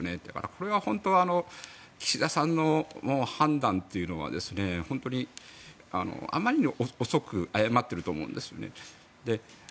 これは本当は岸田さんの判断というのは本当にあまりに遅く誤っていると思うんですよね。